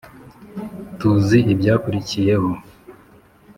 tuzi ibyakurikiyeho.